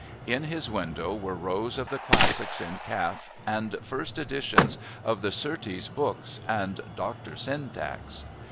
In his window were rows of the classics in calf and first editions of the Surtees books and Dr. Syntax.